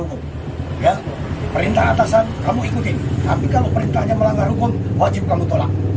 hukum ya perintah atasan kamu ikutin tapi kalau perintahnya melanggar hukum wajib kamu tolak